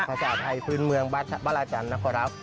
ภาษาไทยพื้นเมืองบรรจันทร์นะครับ